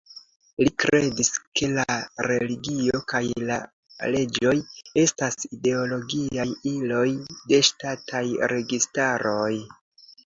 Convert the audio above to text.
Li kredis ke la religio kaj la leĝoj estas ideologiaj iloj de ŝtataj registaroj.